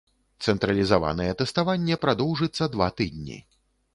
Цэнтралізаванае тэставанне прадоўжыцца два тыдні.